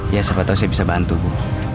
ya siapa tahu saya bisa bantu bu